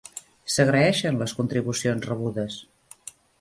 S'agraeixen les contribucions rebudes